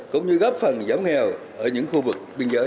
cũng như góp phần giảm nghèo ở những khu vực